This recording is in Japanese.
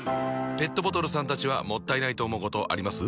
ペットボトルさんたちはもったいないと思うことあります？